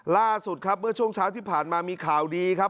ล่าสุดครับเมื่อช่วงเช้าที่ผ่านมามีข่าวดีครับ